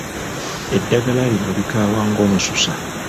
Eddagala lino likaawa ng'omususa.